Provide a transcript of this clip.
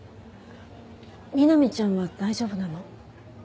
みなみちゃんは大丈夫なの？